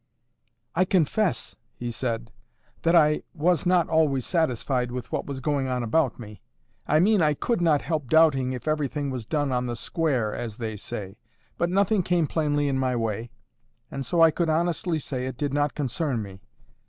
"I confess," he said, "that I was not always satisfied with what was going on about me. I mean I could not help doubting if everything was done on the square, as they say. But nothing came plainly in my way, and so I could honestly say it did not concern me.